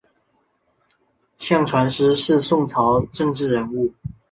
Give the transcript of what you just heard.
向传师是宋朝政治人物。